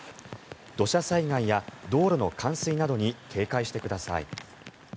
土砂災害や道路の冠水などに警戒してください。